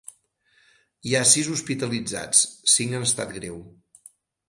Hi ha sis hospitalitzats, cinc en estat greu.